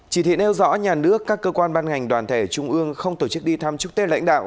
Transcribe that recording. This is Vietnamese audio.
chỉ thị nêu rõ nhà nước các cơ quan ban ngành đoàn thể trung ương không tổ chức đi thăm chúc tết lãnh đạo